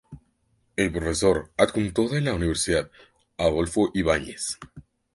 Es profesor adjunto de la Universidad Adolfo Ibáñez.